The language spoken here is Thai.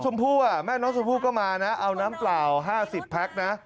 แม่น้องชมพู่ก็มานะเอาน้ำเปล่า๕๐แพ็คนะ